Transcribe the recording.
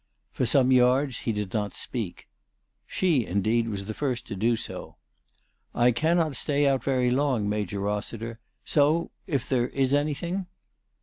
For some yards he did not speak. She, indeed, was the first to do so. "I cannot stay out very long, Major Rossiter ; so, if there is any thing